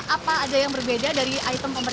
apa ada yang berbeda dari item pemeriksaan